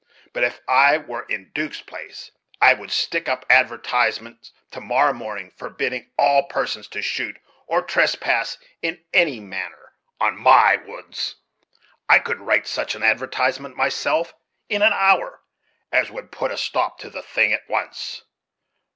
But if I were in 'Duke's place, I would stick up advertisements to morrow morning, forbidding all persons to shoot, or trespass in any manner, on my woods. I could write such an advertisement myself, in an hour, as would put a stop to the thing at once."